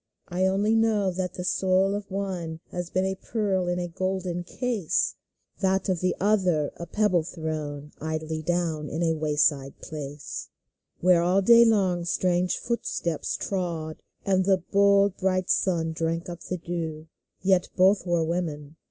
I only know that the soul of one Has been a pearl in a golden case ; That of the other a pebble thrown Idly down in a way side place, Where all day long strange footsteps trod, And the bold, bright sun drank up the dew ! Yet both were women.